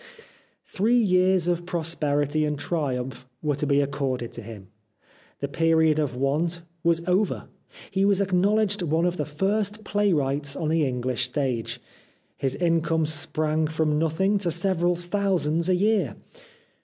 Three years of prosperity and triumph were to be accorded to him. The period of want was over ; he was acknowledged one of the first playwrights on the English stage ; his income sprang from nothing to several thousands a year.